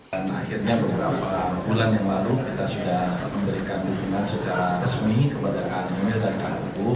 dan akhirnya beberapa bulan yang lalu kita sudah memberikan dukungan secara resmi kepada kamil dan kpu